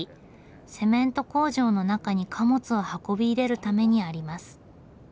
セメント工場の中に貨物を運び入れるためにあります。